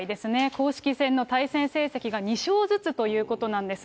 公式戦の対戦成績が２勝ずつということなんです。